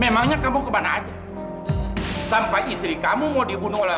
manu manu di rumah